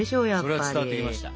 それは伝わってきました。